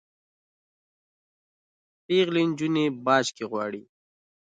پیغلي نجوني باج کي غواړي